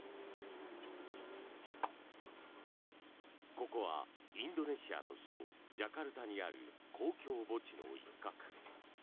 ここはインドネシアの首都ジャカルタにある公共墓地の一角。